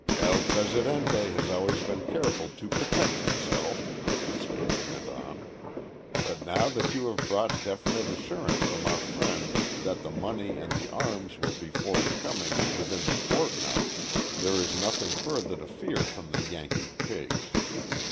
"El Presidente has always been careful to protect himself" the speaker went on "but now that you have brought definite assurance from our friends that the money and the arms will be forthcoming within the fortnight there is nothing further to fear from the Yankee pigs.